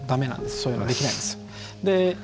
そういうのできないんですよ。